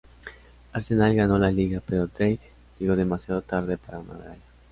Arsenal ganó la liga pero Drake llegó demasiado tarde para una medalla.